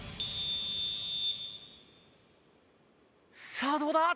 さあどうだ？